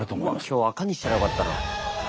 今日赤にしたらよかったな。